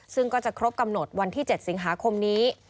ซึ่งก็จะครบกำหนดวันที่๗สิงหาคมนี้